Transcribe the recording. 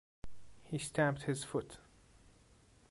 He stamped his foot.